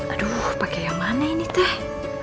aduh pakai yang mana ini teh